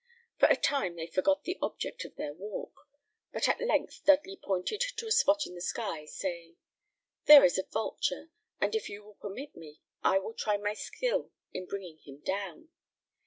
For a time they forgot the object of their walk, but at length Dudley pointed to a spot in the sky, saying, "There is a vulture, and if you will permit me I will try my skill in bringing him down.